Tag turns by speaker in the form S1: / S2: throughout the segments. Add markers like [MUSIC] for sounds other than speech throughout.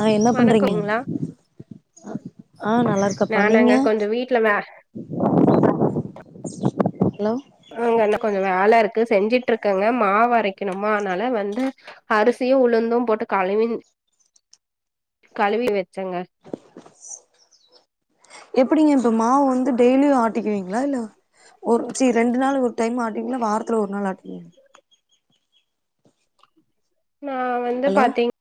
S1: ஆ என்ன பண்றீங்க
S2: வணக்கம்ங்களா
S1: ஆ நல்லா இருக்கப்பா நீங்க
S2: நானாங்க கொஞ்சோ வீட்ல வே
S1: ஹலோ
S2: அங்க என்ன கொஞ்ச வேல இருக்கு செஞ்சிட்டு இருக்கங்க மா வரைக்கணுமனால வந்து அரிசியு உளுந்து போட்டு கழுவி கழுவி வச் சங்கா
S1: எப்படிங்க இப்ப மாவு வந்து டெய்லியு ஆட்டக்குவீங்களா இல்ல ஒரு சரி ரெண்டு நாள் ஒரு டைம் ஆட்டவீங்களா வாரத்துல ஒரு நாள் ஆட்டவீங்களா
S2: நா வந்து
S1: ஹலோ
S2: பாத்தீங்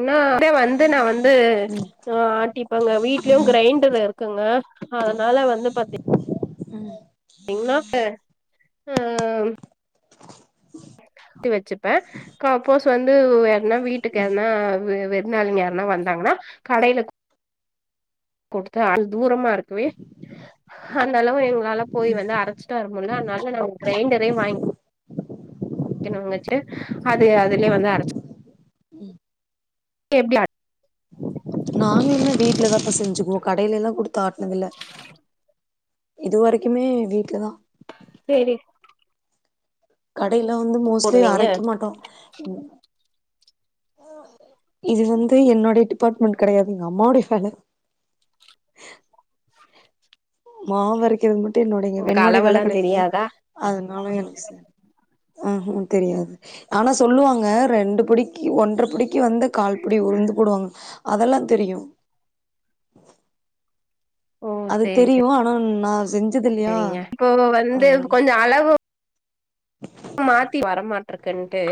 S2: ன்ன அதே வந்து நா வந்து
S1: ம்
S2: ஆட்டிப்பேங்க வீட்லயு கிரைண்டர் இருக்குங்க அதனால வந்து பாத்தீ
S1: உம்
S2: எங்கனாப் ப ஆ ஆட்டி வச்சுப்பே சப்போஸ் வந்து நா வீட்டுக்கான விருதாலிக யாருன்னா வந்தாங்கன்னா கடைல கொடுத்த தூரமா இருக்குவே அந்த அளவு எங் நால போய் வந்து அரைச்சுட்ட வர முடியல அதனால நா உ கிரைண்டரே வாங் கென் வாங்கச்சே அது அதுலயே வந்து அரச்
S1: ம்
S2: [UNINTELLIGIBLE] லாட்
S1: நாங்க என்ன வீட்ல தாப்பா செஞ்சுக்குவோ கடைல எல்லா குடுத்து ஆட்னதில்ல இது வரைக்குமே வீட்லதா
S2: சேரி
S1: கைல வந்து மோஸ்ட்லி
S2: போடுவீங்க
S1: அரைக்க மாட்டோ இது வந்து என்னோடைய டிபார்ட்மெண்ட் கெடையாது எங்கம்மாவுடய வேல மாவரைக்கறத் மட் டு என்னோடைங்க
S2: உங்களுக்கு
S1: என்னோடைய வேல
S2: அளவுல்லா
S1: கெடையாது
S2: தெரியாதா
S1: அ னாலயன்ஸு ம்ஹும் தெரியாது ஆனா சொல்லுவாங்க ரெண்டு படிக்கு ஒன்றர படிக்கு வந்து கால்படி உருந்து போடுவாங்க அதெல்லா தெரியு அது தெரியு ஆனா ம் நா செஞ்
S2: செரிங்க இப்போ வந்து கொஞ்ச அளவு மாத்தி வரமாட்ருக்குன்ட்டு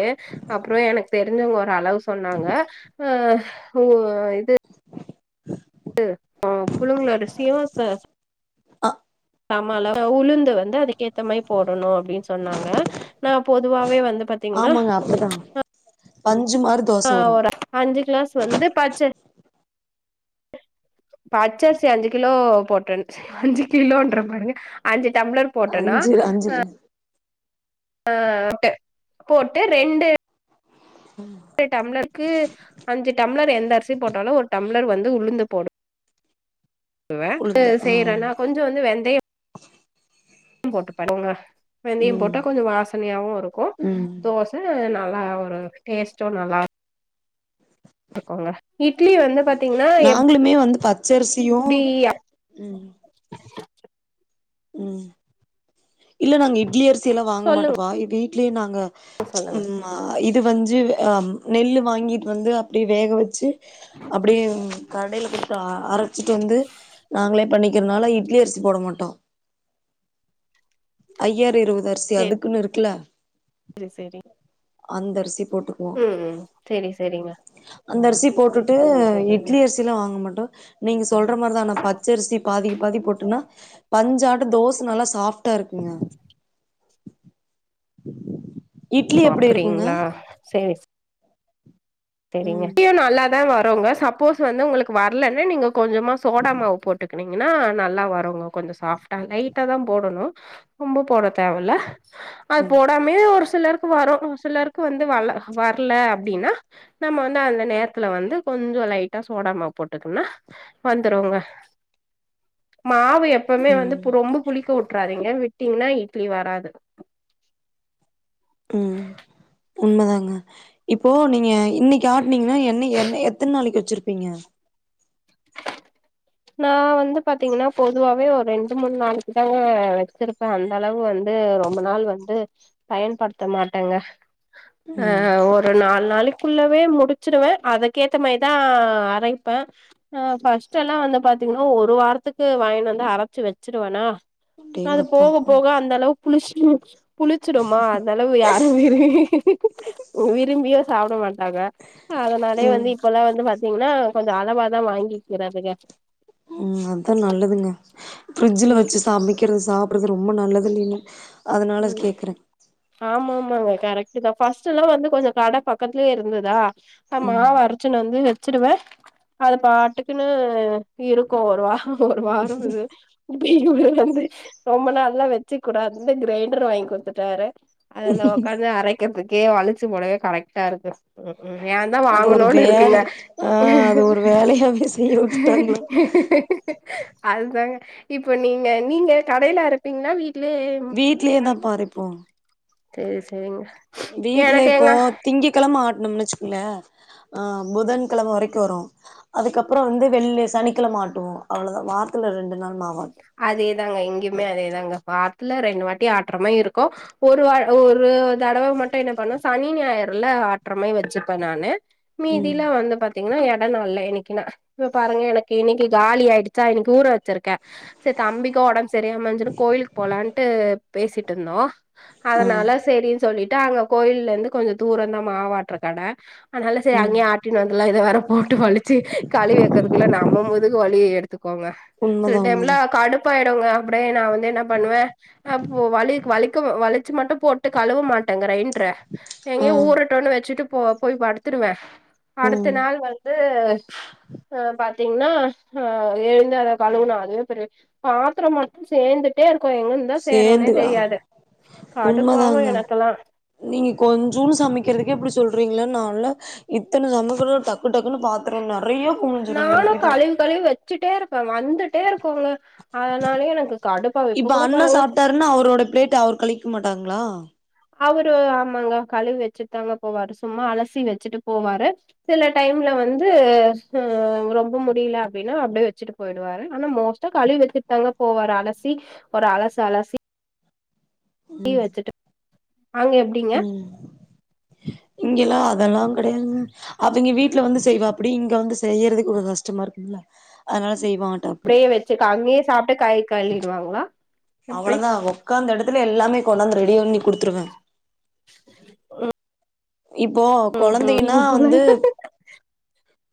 S2: அப்பறோ எனக்கு தெரிஞ்சவ்ங்க ஒரு அளவு சொன்னாங்க அ ஓ ந்து [INAUDIBLE] ம் புழுங்கலரிசியு ச
S1: அ
S2: சம அள அ உளுந்து வந்து அதுக்கேத்த மாரி போடணு அப்டின் சொன்னாங்க நா பொதுவாவே வந்து பாத்தீங்ன்னா
S1: வந்
S2: ஆ ஒரு அஞ்சு கிளாஸ் வந்து பச்ச பச்சரிசி அஞ்சு கிலோ போட்டன் அஞ்சு கிலோன்ற பாருங்க அஞ்சு டம்ளர் போட்டன்னா ஆ [INAUDIBLE] ட்டு போட்டு ரெண்டு ஒரு டம்ளர்க்கு அஞ்சு ட ம்ளர் எந்த அரிசி போட்டாலு ஒரு டம்ளர் வந்து உளுந்து போடு வே
S1: உளுந்து
S2: [INAUDIBLE]
S1: ஆ
S2: செய்யறனா கொஞ்சோ வந்து வெந்தயோ போட்டு பண்ணுங்க வெந்தயோ
S1: ம்
S2: போட்டா கொஞ்ச வாசனயாவு இருக்கு
S1: ம்.
S2: தோச நல் லா ஒரு டேஸ்ட்டு நல்லா இருக்குங்க இட்லி வந்து பாத்தீங்ன்னா எப்
S1: ச்சர்சியு
S2: [INAUDIBLE]
S1: ம் இல்ல நாங்க இட்லி அரிசி எல்லா வாங்க
S2: சொல்லுங்க
S1: மாட்டோப்பா இட்லி ட்லே நாங்க
S2: சொல்லுங்க
S1: ம் இது வந்து செஞ்சி நெல் வாங்கிட்டு வந்து அப்டியே வேக வச்சு அப்டியே கடைல குடுத்து அரைச்சிட்டு வந்து நாங்ளே பண்ணிக்கிறனால இட்லி அரிசி போட மாட்டோம் ஐயாறு இருவது அரிசி அதுக்குன்னு இருக்குல
S2: செரி செரி
S1: அந்தரிசி
S2: ம் செரி செரி
S1: அந்த அரிசி போட்டுட்டு
S2: செரிங்க
S1: இட்லி அரிசி எல்லா வாங்க மாட்டோ நீங்க சொல்ற மாரிதான் நா பச்சரிசி பாதிக்கு பாதி போட்டன்னா பஞ்சாட்டம் தோச நல்லா சாஃப்டா ட்டா இருக்கூங்க [INAUDIBLE]
S2: அப்டிங்ளா செரி செ செரிங்க
S1: ம்
S2: இட்லியும் நல்லாதான் வரூ சப்போஸ் வந்து உங்களுக்கு வர்லன்னா நீங்க கொஞ்சமா சோடா மாவு போட்டுக் ங்கன்னா நல்லா வரூம்ங்க கொஞ்சொம் சாஃப்டா லைட்டா தான் போடணும் ரொம்ப போட தேவல்ல அது
S1: ம்
S2: போடாமயே ஒரு ஒரு சிலருக்கு வரும் சிலருக்கு வந்து வல வர்ல அப் அப்டின்னா நம்ம வந்து அந்த நேரத்துல வந்து கொஞ்சொம் லைட்டா சோடாமாவு போட்டுக்குனா வந்துரூங்க மாவு எப்பமே வந்து
S1: ம்
S2: ரொம்ப புளிக்க வுட்றாரதிங்க விட்டீங்னா இட்லி வராது
S1: ம் உண்ம தாங்க இப்போ நீங்க இன்னைக்கு ஆட்னிங்னா என்ன எத்ன நாளைக்கு வச்சிருப்பீங்க ப்பீங்க
S2: நா வந்து பாத்தீங்கன்னா பொதுவாவே ஒரு ரெண்டு மூணு நாளுக்கு தாங்க வச்சிருப்பேன் அந்தளவு வந்து ரொம்ப நாள் வந்து பயன்படுத்த மாட்டேங்க ஆ
S1: ம்
S2: ஒரு நாலு நாளைக் குள்ளவே முடிச்சுருவே அதுக்கேத்த மாரிதா அரைப்பே ஆ ஃபஸ்டெல்லா அந்த பாத்தீங்கன்னா ஒரு வாரத்துக்கு வாங்கினு வந்து அரச்சு வெச்சுருவேனா அது
S1: அடேங்கப்பா
S2: போக போக அந்தளவுக் [UNINTELLIGIBLE] புளிச்சுடுமா அதனால யாரோ வி விரும்பியே சாப்டமாட் அதா அதனாலேயே வந்து
S1: ம்
S2: இப்பல்லா வந்து மத் இப்பல்லா கொஞ்சோ அளவாதா வாங்கிக்கிறதுங்க
S1: ம் அதா நல்லதுங்க ஃப்ரிட்ஜுல
S2: ம்
S1: வெச்சு சமைக்குறது சாப்புட்றது ரொ ம்ப நல்லதுல்லீனு
S2: ம் ஆமா ஆமாங்க கரெக்ட் கண்டிப்பா ஃபர்ஸ்ட்டுலா வந்து கொஞ்சோ கட பக்கத்துலேயே இருந்துதா நா
S1: ம்
S2: மாவ அரச்சு ன்னு வந்து வெச்சிடுவ அது பாட்டுக்குன்னு இருக்கோ ஒரு வாரோ ஒரு வாரோ இது ரொம்ப நாள்லா வெச்சுக்கக்கூடாதுன்னு கிரைண்டர் வாங்கி குடுத்துட்டாரு அதுல ஒக்காந்து அரைக்கறதுக் கே வலிச்சு போடவே கரெக்டா இருக்கு ம் ம் ஏ தா
S1: அது ஒரு
S2: வாங்குனோன்னு இருக்குங்க
S1: வேலை ஆ அது ஒரு வேலையாவே செய்ய விட்டுட்டாங்களா
S2: அதுதாங்க இப்ப நீங்க நீங்க கடையில அரைப்பீங்களா வீட்லயே
S1: வீட்லேயே தாப்பா அரைப்போ
S2: சேரி சேரிங்க
S1: வீட்ல
S2: எனக்கு
S1: இப்போ
S2: எங்க
S1: திங்கக்கெழம ஆட் னும்னு வெச்சுக்கோங்கள ஆ புதன்கெழம வரைக்கு வரோ அதுக்கப்புறோ வந்து வெள்ளி சனிக்கெழம ஆட்டுவோ அவ்ளோதா வாரத்துல ரெண்டு நாள் மாவாட்
S2: அதேதாங்க இங்கியுமே அதேதாங்க வார்த்துல ரெண்டு வாட்டி ஆட்றமாரி இருக்கோ ஒருவா ஒரு தடவ மட்டு என்ன பண்ணோ சனி ஞாயிறுல ஆட்றமாரி வெச்சுப்ப நானு
S1: ம்
S2: மீதில வந்து பாத் பாத்தீங்கன்னா எட நாள்ல இன்னிக்கு ‌நா இப்ப பாருங்க எனக்கு இன்னிக்கு காலி ஆயிடுச்சா இன்னிக்கு ஊற வெச்சிருக்க சரி தம்பிக்கோ ஒடம்பு சரியாம இருந்துசுன்னு கோயிலுக்கு போலான்ட்டு பேசிட்டுந்தோ
S1: ஆ
S2: அதனால செரி சொல்லிட்டு அங்க கோயில்லந்து கொஞ்சோ தூரோதா மாவாட்ற கட அதனால சரி
S1: ம்
S2: அங்கேயே ஆட்டின்னு வந்துலா இத வேற போட்டு வலிச்சு கழிவி வெக்கிறதுக்குள்ள நம்ம முதுகு வலி எடுத்துக்கோங்க சில
S1: உண்மதா
S2: டைம்ல
S1: உண்மதா
S2: ப்பாயுடுங்க அப்டியே நா வந் என்ன பண்ணுவே அப்போ வலிக் வலிக்க வளிச்சு மட்டு போட்டு கழுவ மாட்டேங்கிறேங் கிற
S1: ஆ
S2: எங்யோ ஊறடோன்னு வெச்சுட்டு போ போய் படுத்துடுவே அடுத்த
S1: ம்
S2: நாள் வந்து பாத்தீங்ன்னா எழுந்து அத கழுவுனா அதுவே பெரிய பாத்ரோ மட்டு சேந்துட்டே இரு
S1: சேந்துகா
S2: கடுப்பாவு
S1: உண்மதாங்க
S2: எனக்கெல்லா
S1: நீங்க கொஞ்சுன்னு சமைக்கறதுக்கே இப்டி சொல்றீங்ளே நாலா இத்தன [UNINTELLIGIBLE] டக்கு டக்குன்னு பாத்
S2: நானு கழுவி கழுவி வச்சுட்டே இருப்பே வந்துட்டே இருக்குகோங்க அதனாலயே எனக்கு கடுப்
S1: இப்ப அண்ணா சாப்ட்டாருன்னா அவரோட பிளேட்ட அவுரு கழுவிகி மாட்டாங்ளா
S2: அவுரு ஆமாங்க கழுவி வச்சுட் தாங்க போவாரு சும்மா அலசி வச்சுட்டு போவாரு சில டைம்ல வந்து ரொம்ப முடில அப்டின்னா அப்டியே வச்சிட் பொயிடுவாரு ஆனா மோஸ்டா கழுவி வச்சுட் தாங்க போவாரு அலசி ஒரு அலசு அலசி
S1: ம்
S2: வச்சுட்டு அங்க எப்டிங்க
S1: ம் இங்கெல்லா அதெல்லா கெடையாதுங்க அவிங்க வீ ட்ல வந்து செய்வாப்டி இங்க வந்து செய்யறதுக்கு கொஞ்சோ கஷ்டமா இருக்கும்ல அதனால செய்வாட்டாப்டி
S2: அப்டியே வெச்சு அங்கயே சாப்ட்ட கை கழுவிடுவாங்களா அப்டி
S1: காந்த எடத்துல எல்லாமே கொண்டாந்து ரெடி பண்ணி குடுத்துருவே
S2: ஆஹ்
S1: இப்போ கொழந்தைன்னா வந்து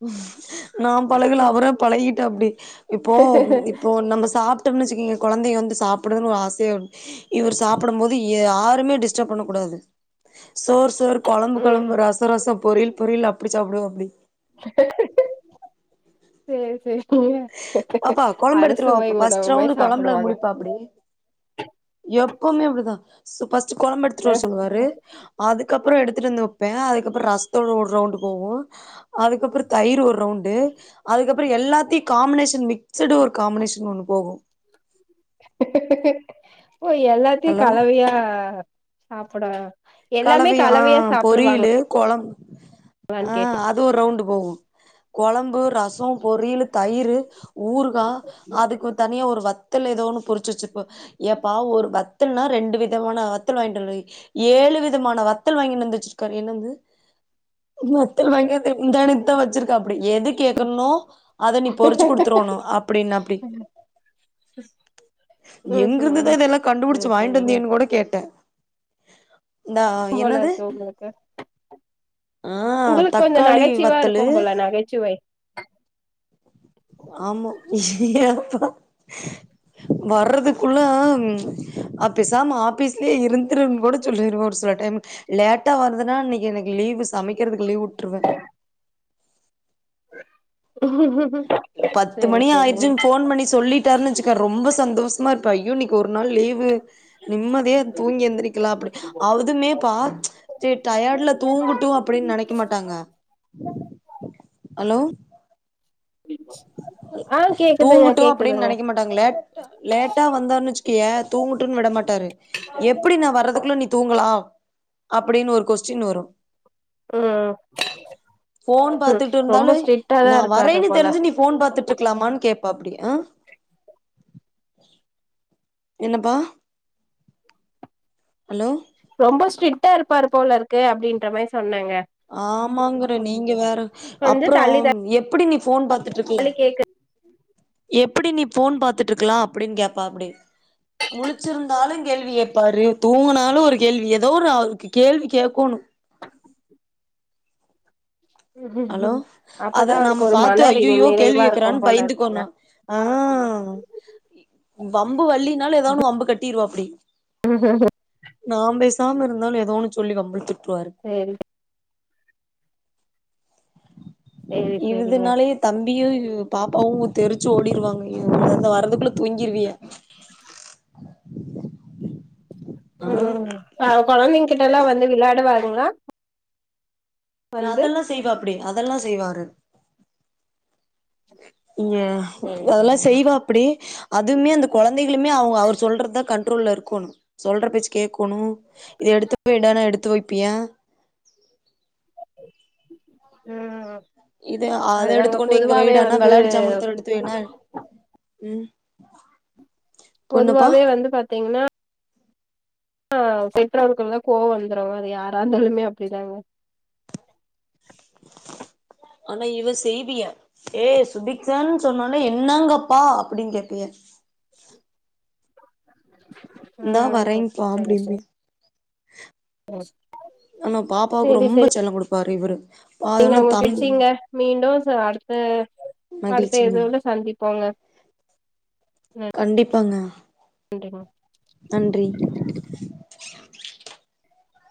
S1: உம் நா பழகல அவரா பழகிட்டாப்டி இப்போ இப்போ நம்ப சாப் டம்னு வெச்சுகைங்க கொழந்தைய வந்து சாப்புடுனு ஆசையா இவரு சாப்டம் போது யாருமே டிஸ்டர்ப் பண்ணக்கூடாது சோ கொழம்பு
S2: ம்
S1: கொழம்பு ரச ரசம் பொறியல் பொறியல் அப்டி சாப்டுவாப்டி
S2: சேரி சேரி
S1: அப்பா கொழம்பு எடுத்துட்டு வாபா ஃபர்ஸ்ட்
S2: உணவுமாய்
S1: ரவுண்ட் கொழம்புல
S2: சாப்டுவாங்க
S1: முடிப்பாப்டி எப்பமே அப்டிதா ஃபர்ஸ்ட்டு கொழம்பு
S2: அ
S1: எடுத்துட்டு வர சொல்லாரு அதுக்கப்றோ எடுத்து ட்டு வந்து வப்பே அதுகப்றோ ரசதுல ஒரு ரவுண்டு போவு அதுகப்றோ தயிர் ஒரு ரவுண்டு அதுகப் அப்றோ எல்லாத்தையு காமினேஷன் மிக்சடா ஒரு காமினேஷன் ஒன்னு போகு
S2: ஏ எல்லாத்தையு
S1: ஹலோ
S2: கலவயா சாப்புட எல்லாமே
S1: கலவையா ஆ பொரியலு
S2: சாப்புடுவாங்களான்னு
S1: கொழம் ஆ
S2: கேட்
S1: அது ஒரு ரவுண்டு போகு கொழம்பு ரசோ பொரியலு தயிரு ஊருகா அதுக்கு தனியா ஒரு வத் வத்தல் எதோ ஒன்னு பொருச்சு வச்சுப்பா ஏப்பா ஒரு வத்தல்னா ரெண்டு விதமான வத்தல் வாங்கிட்டு வருவிங்க ஏழு வித மான வத்தல் வாங்கினு வந்து வச்சுருக்காரு என்னது வத்தல் வாங்கி முந்தா நேத்துதா வச்சுருக் அப்டி எது கேக்குற்னோ அத நீ பொறுச்சு குடுத்துருணோ அப்டின்னு அப்டி
S2: ம்
S1: எங்கிருந்துதா
S2: ம்
S1: இதெல்லா
S2: சேரி
S1: கண்டுபிடிச்சு வாங்கிட்டு
S2: சேரிங்க
S1: வந்தேனு கூட கேட்ட
S2: போல இருக்கு உங்களுக்கு
S1: ஆ
S2: உங்களுக்கு கொஞ்சோ
S1: தக்காளி
S2: நகைச்சுவயா
S1: வத்தலு
S2: இருக்கும் போல நகைச்சுவை
S1: ஆமா ஏப்பா வர்றதுக்குள்ள அப்ப பேசாம ஆபீஸ்லயே இருந்துருன்னு கூட சொல்லிருவோ ஒரு சில டைமு லேட்டா வருதுன்னா இன்னைக் எனக்கு லீவு சமைக்கிறதுக்கு லீவ் உட்டுருவே
S2: உம் உம்
S1: பத்து மணி ஆயிடுச்சுன்னு போன் பண்ணி சொல்லிட்டாருன்னு வச்சுக்க ரொம்ப சந்தோஷமா இருப்பா ஐயோ இன்னிக்கி ஒரு ஒரு நாள் லிவு நிம்மதியா தூங்கி எழுந்திரிக்கலா அப்டி அதுமே பா சேரி டயர்ட்ல தூங்குட்டு அப்டின்னு நெனைக்க மாட்டாங்க ஹலோ
S2: ஆ கேக்குதுங்க
S1: தூங்கட்டு அப்டின்னு
S2: கேக்குதுங்க
S1: நெனைக்க மாட்டாங்கல லேட்டா லேட்டா வந்தானு வச்சுக்கயே தூங்கட்டும்ன்னு விட மாட்டாரு எப்டி நா வர்றதுக்குள்ள நீ தூங்கலா அப்டின்னு ஒரு கொஸ்டின் வரு
S2: ம்
S1: போன்
S2: ம்
S1: பாத்துட்டு
S2: ரொம்ப
S1: இருந்தாலு
S2: ஸ்ட்ரிக்டா தா
S1: நா
S2: இருக்காரு
S1: வரேன்னு
S2: போல
S1: தெரிஞ்சு நீ பாத்துட்டுருக்கலாமான்னு கேக்பாப்டி ஆ என்னப்பா ஹலோ
S2: ரொம்ப ஸ்ட்ரிக்டா இருப்பாரு போல இருக்கு அப்டின்ற மாரி சொன்
S1: ஆமாங்குறே நீங்க வேற
S2: கொஞ்சோ
S1: அப்றோ
S2: தள்ளி
S1: எப்டி நீ போன் பாத் ட்டு இருக்கலா
S2: தள்ளி கேக்குது
S1: ஏ எப்புடி நீ போன் பாத்துட்டு இருக்கலா அப்டின்னு கேப்பாப்புடி முளுச்சுருந்தாலு கேள்விகேப்பாரு தூங்குனாலு ஒரு கேள்வி எதோ ஒரு அவருக்கு கேள்வி கேக்கோணு ஹலோ அத
S2: அப்பதா அவருக்கு
S1: நாம
S2: ஒரு
S1: பாத்து
S2: மன
S1: ஐயையோ கேள்வி
S2: நிறைவா
S1: கேக்குறானு
S2: இருக்கும் போல இருக்குங்க
S1: பயந்துக்கோனு அ அ வம்பு வள்ளினாலு எதாவொன்னு வம்பு கட்டிருவாப்டி அப்டி நா பேசாம இருந்தாலு எதோன்னு சொல்லி வம்புலுத்து
S2: சேரி சேரி சேரிங்க
S1: இதுனாலயே தம்பியு பாப்பாவு தெருச்சு ஓடிருவாங்க [INAUDIBLE] வரதுக்குள்ள தூங்கிருவியா ஆ
S2: ம் அ கொழந்தங் கிட்டல்லா வந்து விளாடுவாங்களா
S1: அதெல்லா செய்வா அப்டி அதெல்லா செ செய்வாரு
S2: சேரி
S1: [UNINTELLIGIBLE] அதெல்லா
S2: சேரிங்க
S1: செய்வா அப்டி அதுமே அந்த கொழந்தைகளுமே அவங் அவர் சொல்றதுதா கண்ட்ரோல்ல இருக்கோணு சொல்ற பேச்சு கேக்கொணு இத எடுத்துவைடானா எடுத்து வெப்பியா
S2: ம்
S1: இது அத
S2: அதுதாங்க
S1: எடுத்துக்கொண்டு இங்க
S2: பொதுவாவே
S1: வைடானா
S2: வந்து
S1: வெளயாட்டு ஜாமன்தா எடுத்துவைடானா ம் பொண்ணுப்பா
S2: பொதுவாவே வந்து பாத்தீங்கன்னா ஆ பெற்றோருக்குலா கோவம் வந்துரு அது யாரா இருந்தாலுமே அப்டிதாங்க
S1: ஆனா இவ செய்வியே ஏ சுதிக்ஷா சொன்னாளே என்னங்கப்பா அப்டின்னு கேப்பியே இந்தா
S2: ம்
S1: வரேங்ப்பா அப்டிம்பே
S2: ஓஸ்
S1: ஆனா பாப்பாவுக்கு ரொம்ப செல்ல கொடு ப்பாரு இவரு
S2: நீங்க
S1: பாத்தோன
S2: உங்க
S1: தம்பி
S2: கிழிசீங்க மீண்டு அ அடுத்த அடுத்த
S1: மகிழ்ச்சிங்க
S2: இதுல சந்திப்போங்க ம்
S1: போங்க நன்றி